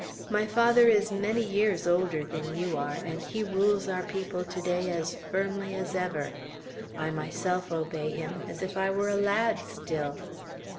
My father is many years older than you are, and he rules our people to day as firmly as ever. I myself obey him, as if I were a lad still."